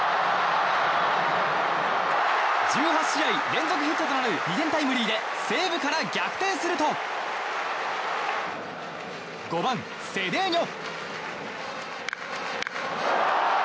１８試合連続ヒットとなる２点タイムリーで西武から逆転すると５番、セデーニョ。